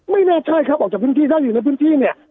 ไม่แน่ใจครับออกจากพื้นที่ถ้าอยู่ในพื้นที่เนี่ย